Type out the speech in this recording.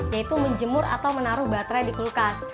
yaitu menjemur atau menaruh baterai di kulkas